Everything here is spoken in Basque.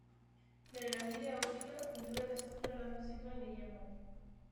Bere lanbidea utzita, pintura eta eskultura landu zituen gehienbat.